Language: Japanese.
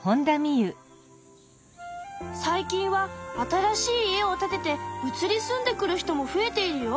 最近は新しい家を建てて移り住んでくる人も増えているよ。